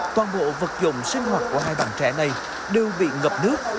toàn bộ vật dụng sinh hoạt của hai bạn trẻ này đều bị ngập nước